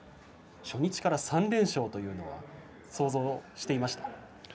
初日から３連勝というのは想像していました？